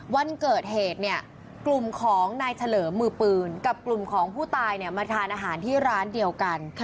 วันเกิดเหตุเนี่ยกลุ่มของนายเฉลิมมือปืนกับกลุ่มของผู้ตายมาทานอาหารที่ร้านเดียวกัน